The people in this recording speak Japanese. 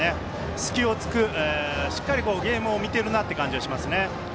隙を突く、しっかりゲームを見てるなという感じがします。